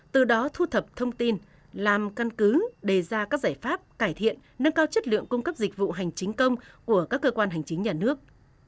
từ đó thu thập thông tin làm căn cứ đề ra các giải pháp cải thiện nâng cao chất lượng cung cấp dịch vụ hành chính công của các cơ quan hành chính nhà nước